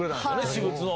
私物を。